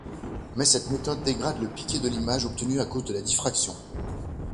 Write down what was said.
Mais cette méthode dégrade le piqué de l'image obtenue à cause de la diffraction.